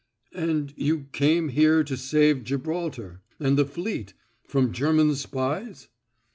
"And you came here to save Gibraltar and the fleet from German spies?"